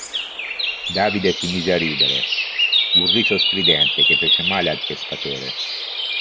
Davide si mise a ridere, un riso stridente che fece male al pescatore.